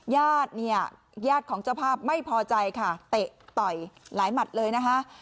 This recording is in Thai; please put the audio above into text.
ญาติเนี่ยญาติของเจ้าภาพไม่พอใจค่ะเตะต่อยหลายหมัดเลยนะคะ